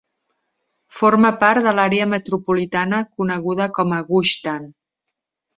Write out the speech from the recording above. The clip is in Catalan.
Forma part de l'àrea metropolitana coneguda com a Gush Dan.